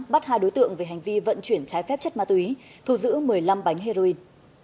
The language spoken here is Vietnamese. bắt hai đối tượng về hành vi vận chuyển trái phép chất ma túy thu giữ một mươi năm bánh heroin